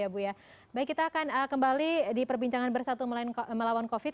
baik kita akan kembali di perbincangan bersatu melawan covid